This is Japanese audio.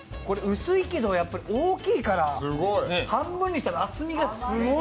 薄いけど大きいから半分にしたら厚みがすごい。